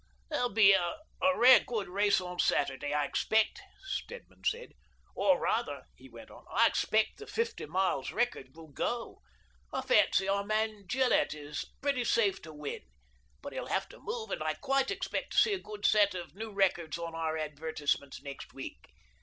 " There'll be a rare good race on Saturday, I expect," Stedman said. " Or rather," he went on, "I expect the fifty miles record will go. I fancy our man Gillett is pretty safe to win, but he'll have to move, and I quite expect to see a good set of new records on our advertisements next week.